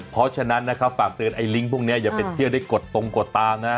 เพราะฉะนั้นนะครับฝากเตือนไอ้ลิงก์พวกนี้อย่าไปเที่ยวได้กดตรงกดตามนะ